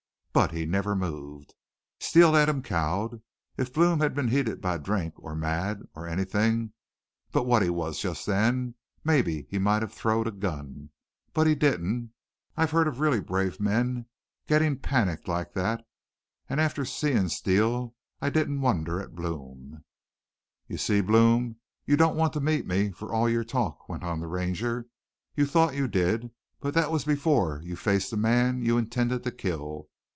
But he never moved. Steele had cowed him. If Blome had been heated by drink, or mad, or anythin' but what he was just then, maybe he might have throwed a gun. But he didn't. I've heard of really brave men gettin' panicked like that, an' after seein' Steele I didn't wonder at Blome. "'You see, Blome, you don't want to meet me, for all your talk,' went on the Ranger. 'You thought you did, but that was before you faced the man you intended to kill.